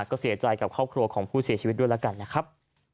ก็เสียใจกับครอบครัวของผู้เสียชีวิตด้วยแล้วกันนะครับ